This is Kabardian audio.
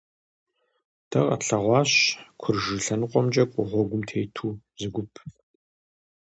Дэ къэтлъэгъуащ Куржы лъэныкъуэмкӀэ кӀуэ гъуэгум тету зы гуп.